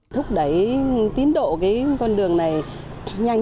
thúc đẩy tín độ con đường này nhanh